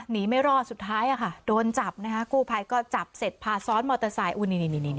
ไม่รอดสุดท้ายโดนจับนะคะกู้ภัยก็จับเสร็จพาซ้อนมอเตอร์ไซค์